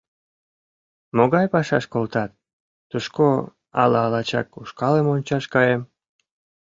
Могай пашаш колтат — тушко, ала лачак ушкалым ончаш каем.